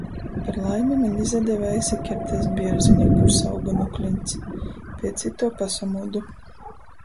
Par laimi, maņ izadeve aizakert aiz bierzeņa, kurs auga nu kliņts. Piec ituo pasamūdu.